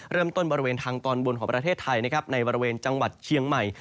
เริ่มต้นบริเวณทางตอนบนของประเทศไทยในบริเวณจังหวัดเชียงใหม่